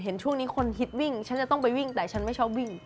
ช่วงนี้คนฮิตวิ่งฉันจะต้องไปวิ่งแต่ฉันไม่ชอบวิ่ง